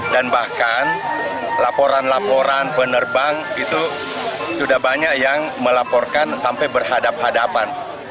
dan bahkan laporan laporan penerbang itu sudah banyak yang melaporkan sampai berhadap hadapan